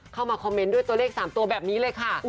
เข้ามาคอมเมนต์ด้วยตัวเลข๓ตัวแบบนี้เลยค่ะ